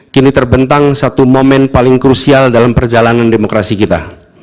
kini terbentang satu momen paling krusial dalam perjalanan demokrasi kita